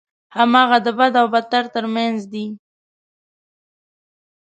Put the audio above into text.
هماغه د بد او بدتر ترمنځ دی.